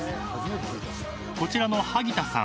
［こちらの萩田さん。